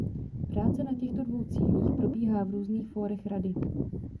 Práce na těchto dvou cílích probíhá v různých fórech Rady.